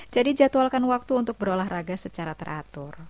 jadi jadwalkan waktu untuk berolahraga secara teratur